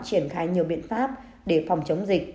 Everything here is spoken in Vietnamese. triển khai nhiều biện pháp để phòng chống dịch